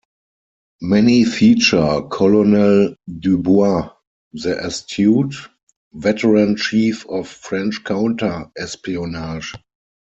Many feature Colonel Dubois, the astute, veteran chief of French counter-espionage.